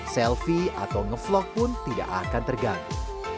selfie atau nge vlog pun tidak akan terganggu